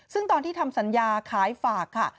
ซึ่งตอนที่ทำสัญญาขายฝากค่ะ